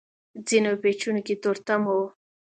ځينو پېچونو کې تورتم و.